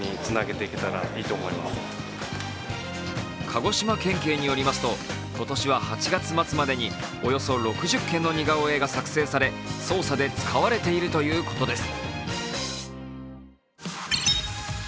鹿児島県警によりますと今年は８月末までにおよそ６０件の似顔絵が作成され捜査で使われているということです。